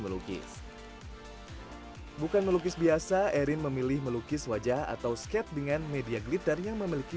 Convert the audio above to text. melukis bukan melukis biasa erin memilih melukis wajah atau skate dengan media glitter yang memiliki